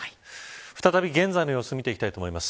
再び現在の様子を見ていきたいと思います。